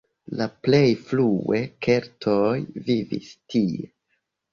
La plej frue keltoj vivis tie.